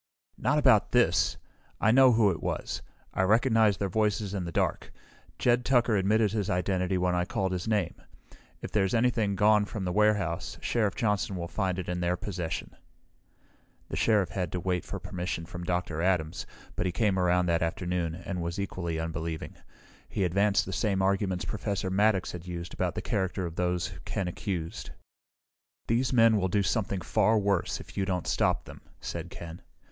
"Not about this! I know who it was. I recognized their voices in the dark. Jed Tucker admitted his identity when I called his name. If there's anything gone from the warehouse, Sheriff Johnson will find it in their possession." The Sheriff had to wait for permission from Dr. Adams, but he came around that afternoon, and was equally unbelieving. He advanced the same arguments Professor Maddox had used about the character of those Ken accused. "These men will do something far worse, if you don't stop them," said Ken.